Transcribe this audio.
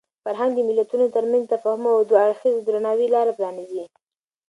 فرهنګ د ملتونو ترمنځ د تفاهم او دوه اړخیز درناوي لاره پرانیزي.